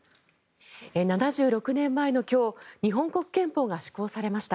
７６年前の今日日本国憲法が施行されました。